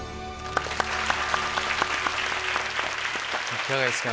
いかがですか？